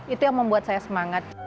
itu yang membuat saya semangat